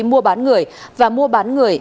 mua bán người và mua bán người